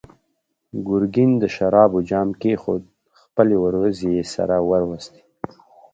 ګرګين د شرابو جام کېښود، خپلې وروځې يې سره وروستې.